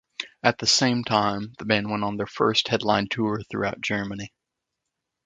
At the same time, the band went on their first headline tour throughout Germany.